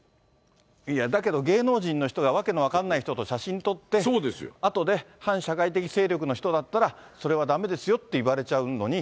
いやだけど、芸能人の人が訳の分からない人と写真撮って、あとで、反社会的勢力の人だったら、それはだめですよって言われちゃうのに。